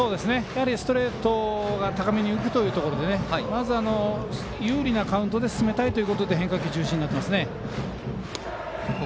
ストレートが高めに浮くというところでまず有利なカウントで進めたいということで変化球中心になってますね。